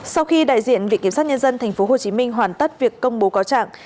sau khi đại diện viện kiểm sát nhân dân tp hcm hoàn tất việc công bố cáo trạng